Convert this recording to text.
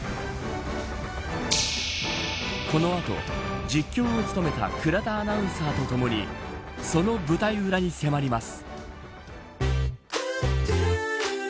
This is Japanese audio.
この後、実況を務めた倉田アナウンサーとともにその舞台裏に迫ります。